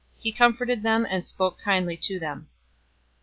He comforted them, and spoke kindly to them.